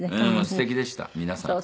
すてきでした皆さん。